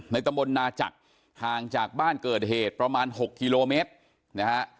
ตำบลนาจักรห่างจากบ้านเกิดเหตุประมาณ๖กิโลเมตรนะฮะ